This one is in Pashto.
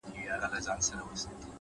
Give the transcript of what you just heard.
علم د انسان اعتماد زیاتوي,